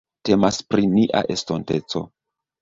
Temas pri nia estonteco.